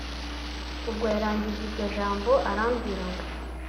ubwo yarangije iryo jambo arambwira ngo